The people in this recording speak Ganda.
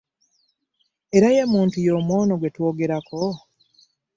Era ye muntu y'omu ono gwe twogerako?